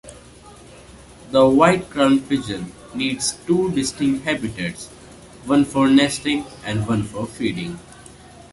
The white-crowned pigeon needs two distinct habitats, one for nesting and one for feeding.